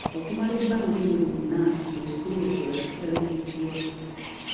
Okumala ebbanga eryo lyonna ng’ekitundu ekirala kitaliziddwa.